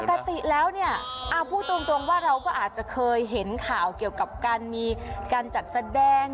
ปกติแล้วเนี่ยพูดตรงว่าเราก็อาจจะเคยเห็นข่าวเกี่ยวกับการมีการจัดแสดง